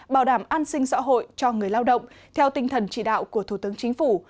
bảo đảm an sinh xã hội cho người lao động theo tinh thần chỉ đạo của thủ tướng chính phủ